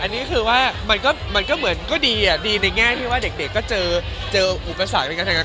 อันนี้คือว่ามันก็เหมือนก็ดีดีในแง่ที่ว่าเด็กก็เจออุปสรรคในการทำงาน